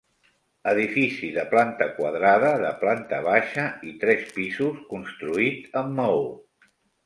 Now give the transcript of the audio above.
Edifici de planta quadrada, de planta baixa i tres pisos, construït amb maó.